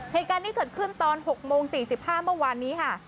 เหตุการณ์นี้เกิดขึ้นตอน๖โมง๔๕เมื่อวานนี้ค่ะ